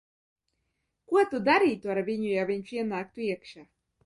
Ko tu darītu ar viņu, ja viņš ienāktu iekšā?